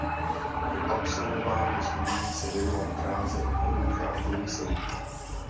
Po absolvování studií se věnoval dráze obchodníka a průmyslníka.